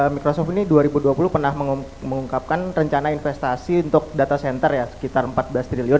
microsoft ini dua ribu dua puluh pernah mengungkapkan rencana investasi untuk data center ya sekitar empat belas triliun